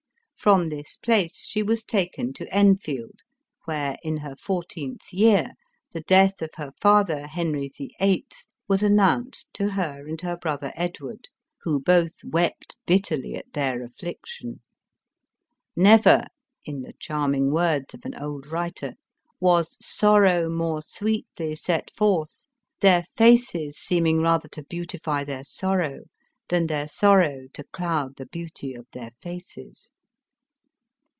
From this place she was taken to Enfield, where, in her fourteenth year, the death of her father, Henry VIII., was announced to her and her brother Edward, who both wept bitterly at their affliction. " Never," in the charming words of an old writer, " was sorrow more sweetly set forth, their faces seeming rather to beautify their sorrow than their sor row to cloud the beauty of their faces."